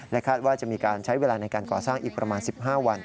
คาดว่าจะมีการใช้เวลาในการก่อสร้างอีกประมาณ๑๕วัน